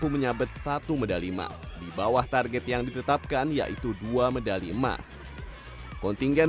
menyabet satu medali emas di bawah target yang ditetapkan yaitu dua medali emas kontingen